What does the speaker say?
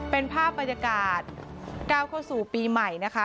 เป็นภาพบรรยากาศก้าวเข้าสู่ปีใหม่นะคะ